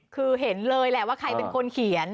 คือเห็นเลยแหละว่าใครเป็นคนเขียน